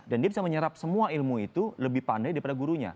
dan dia bisa menyerap semua ilmu itu lebih pandai daripada gurunya